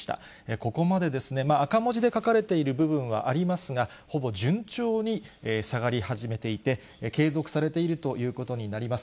ここまでですね、赤文字で書かれている部分はありますが、ほぼ順調に下がり始めていて、継続されているということになります。